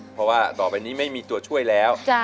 เพราะว่าต่อไปนี้ไม่มีตัวช่วยแล้ว